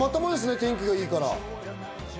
天気がいいから。